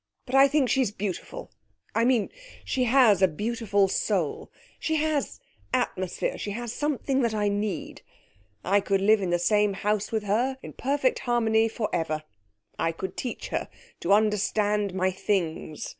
But I think she's beautiful. I mean she has a beautiful soul she has atmosphere, she has something that I need. I could live in the same house with her in perfect harmony for ever. I could teach her to understand my Things.